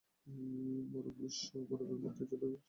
বরং বিশ্ব-মানবের মুক্তির জন্য একজন মহাপুরুষের দুঃখভোগ শ্রেয়।